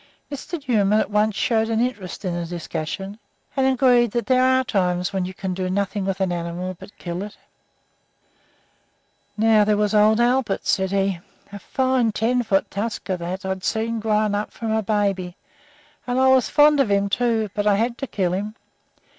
Mr. Newman at once showed an interest in the discussion, and agreed that there are times when you can do nothing with an animal but kill it. "Now, there was old Albert," said he, "a fine ten foot tusker, that I'd seen grow up from a baby, and I was fond of him, too, but I had to kill him.